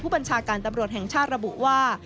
บัญชาการตำรวจแห่งชาติระบุว่า